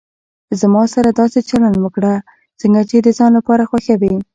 زما سره داسي چلند وکړه، څنګه چي د ځان لپاره خوښوي.